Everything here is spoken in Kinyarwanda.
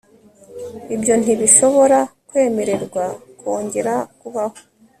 Ibyo ntibishobora kwemererwa kongera kubaho